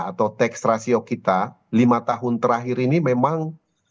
atau tax ratio kita lima tahun terakhir ini memang